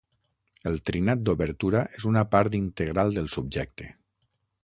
El trinat d'obertura és una part integral del subjecte.